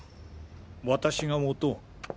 私が持とう。